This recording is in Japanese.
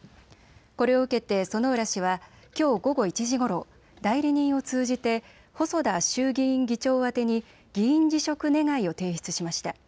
これを受けて薗浦氏はきょう午後１時ごろ代理人を通じて細田衆議院議長宛てに議員辞職願を提出しました。